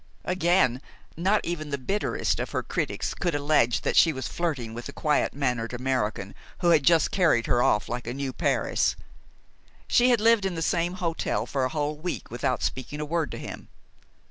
Again, not even the bitterest of her critics could allege that she was flirting with the quiet mannered American who had just carried her off like a new Paris. She had lived in the same hotel for a whole week without speaking a word to him.